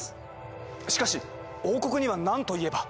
しかし王国には何と言えば。